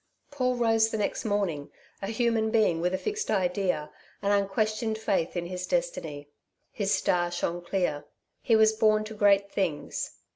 Paul rose the next morning, a human being with a fixed idea, an unquestioned faith in his destiny. His star shone clear. He was born to great things.